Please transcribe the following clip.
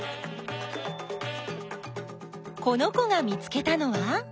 この子が見つけたのは？